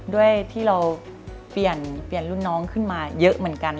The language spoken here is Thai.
ด้วยที่เราเปลี่ยนรุ่นน้องขึ้นมาเยอะเหมือนกัน